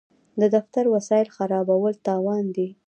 د دفتر وسایل خرابول تاوان دی.